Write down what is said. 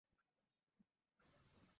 তাই আমার সৈন্যের প্রয়োজন হলো।